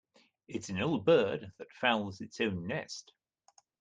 It's an ill bird that fouls its own nest.